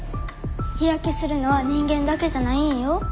日焼けするのは人間だけじゃないんよ。